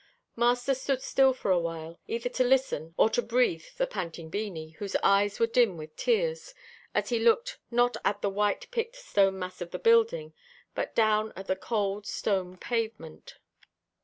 Master stood still for a while, either to listen, or to breathe the panting Beanie, whose eyes were dim with tears, as he looked not up at the white picked stone mass of the building, but down at the cold, stone pavement.